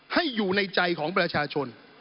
ให้อยู่ในใจของประชาชน